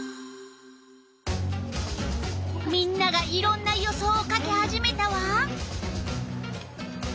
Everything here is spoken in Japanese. みんながいろんな予想を書き始めたわ。